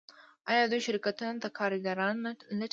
آیا دوی شرکتونو ته کارګران نه لټوي؟